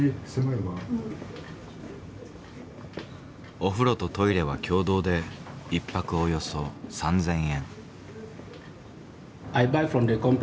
お風呂とトイレは共同で１泊およそ３，０００円。